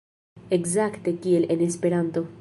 Ekzakte kiel en Esperanto.